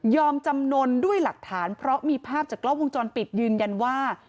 จำนวนด้วยหลักฐานเพราะมีภาพจากกล้องวงจรปิดยืนยันว่า